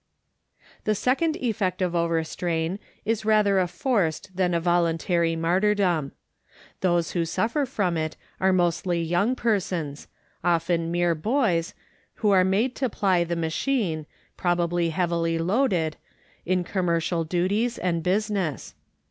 The second effect of overstrain is rather a forced than a volun tary martyrdom. Those who suffer from it are mostly young persons, often mere boys, who are made to ply the machine, prob ably heavily loaded, in commercial duties and business.